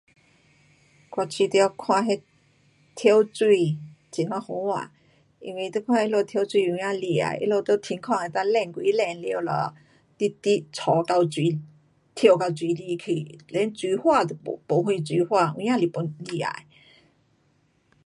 我觉得看那跳水，很呀好看，因为你看他们跳水有真厉害，他们在天空转几转了了直直插到水，跳到水里去，连水花都没，没啥水花，有真本，厉害。